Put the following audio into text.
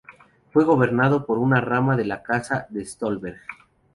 Fue gobernado por una rama de la Casa de Stolberg.